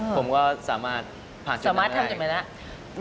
ผมก็สามารถผ่านจนได้สามารถทำจนได้แล้ว